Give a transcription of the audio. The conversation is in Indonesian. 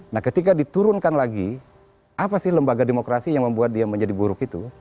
nah ketika diturunkan lagi apa sih lembaga demokrasi yang membuat dia menjadi buruk itu